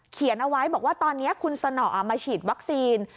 เขียนเอาไว้บอกว่าตอนนี้คุณสนอมาฉีดวัคซีน